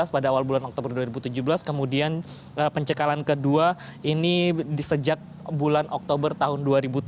pada awal bulan oktober dua ribu tujuh belas kemudian pencekalan kedua ini sejak bulan oktober tahun dua ribu tujuh belas